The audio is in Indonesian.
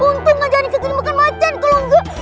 untung aja ini kita makan macan kalau enggak